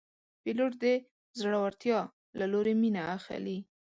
پیلوټ د زړورتیا له لورې مینه اخلي.